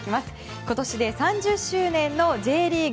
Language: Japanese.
今年で３０周年のＪリーグ。